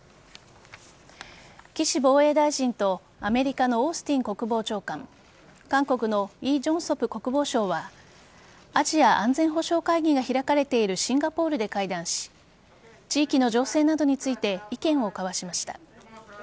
岸防衛大臣とアメリカのオースティン国防長官韓国のイ・ジョンソプ国防相はアジア安全保障会議が開かれているシンガポールで会談し地域の情勢などについて意見を交わしました。